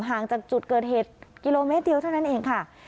ห่างจากจุดเกิดเหตุกิโลเมตรเดียวเท่านั้นเองค่ะ